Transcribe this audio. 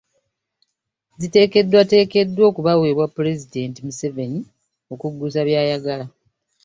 Ziteekeddwateekeddwa okubaweebwa Pulezidenti Museveni okuggusa by’ayagala .